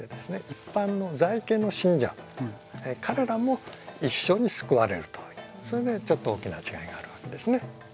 一般の在家の信者彼らも一緒に救われるというそれでちょっと大きな違いがあるわけですね。